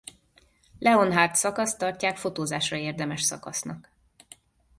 Leonhardt szakaszt tartják fotózásra érdemes szakasznak.